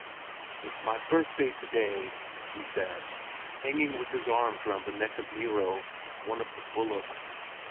"It's my birthday to day!" he said, hanging with his arms round the neck of Nero, one of the bullocks.